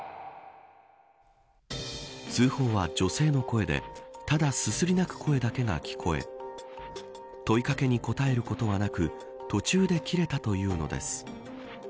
通報は女性の声でただ、すすり泣く声だけが聞こえ問いかけに答えることはなく途中で切れたというのです。